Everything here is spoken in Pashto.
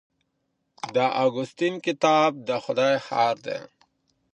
د اګوستین کتاب د خدای ښار دی.